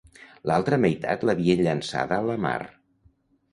L'altra meitat l'havien llançada a la mar.